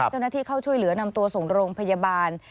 เจ้าหน้าที่เข้าช่วยเหลือนำตัวส่งโรงพยาบาล